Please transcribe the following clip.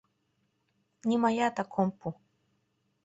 Нимаятак ом пу!